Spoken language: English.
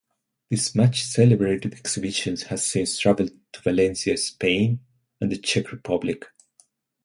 This much celebrated exhibition has since travelled to Valencia, Spain and the Czech Republic.